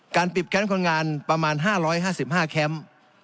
ปิดแคมป์คนงานประมาณ๕๕แคมป์